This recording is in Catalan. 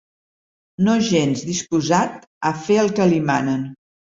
No gens disposat a fer el que li manen.